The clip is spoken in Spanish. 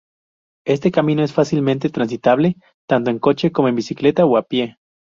Este camino es fácilmente transitable, tanto en coche como en bicicleta o a pie.